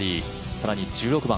更に１６番。